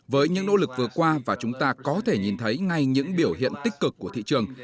với những nỗ lực vừa qua và chúng ta có thể nhìn thấy ngay những biểu hiện tích cực của thị trường